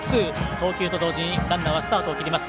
投球と同時にランナーはスタートを切ります。